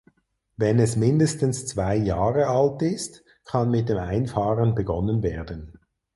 Wenn es mindestens zwei Jahre alt ist kann mit dem Einfahren begonnen werden.